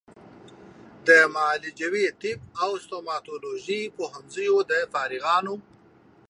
د معالجوي طب او ستوماتولوژي پوهنځیو د فارغانو